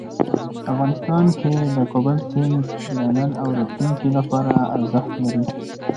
افغانستان کې د کابل سیند د نن او راتلونکي لپاره ارزښت لري.